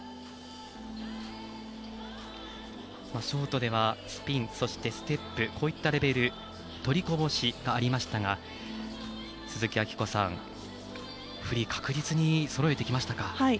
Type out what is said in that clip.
ショートではスピン、ステップこういったレベル取りこぼしがありましたが鈴木明子さん、フリー確実にそろえてきましたか。